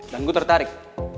dan gue tertarik